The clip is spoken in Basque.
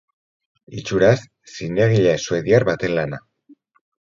Itxuraz zinegile suediar baten lana.